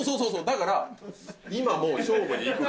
だから今もう勝負にいくか。